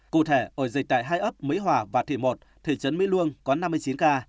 cụ thể ở dịch tại hai ấp mỹ hòa và thị một thị trấn mỹ luông có năm mươi chín ca